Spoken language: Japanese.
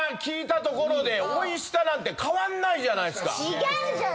違うじゃん！